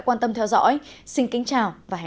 quan tâm theo dõi xin kính chào và hẹn